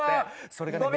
それがね